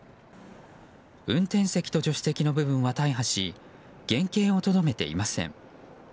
運転席と助手席の部分は大破し原形をとどめていません。